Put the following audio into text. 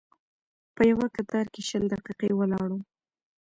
په یوه کتار کې شل دقیقې ولاړ وم.